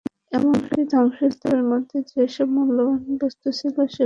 এমনকি ধ্বংসস্তূপের মধ্যে যেসব মূল্যবান বস্তু ছিল, সেগুলোও হাওয়া হয়ে গিয়েছিল।